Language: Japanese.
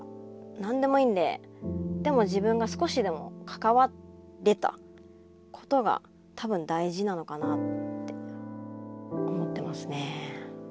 何でもいいんででも自分が少しでも関われたことが多分大事なのかなって思ってますね。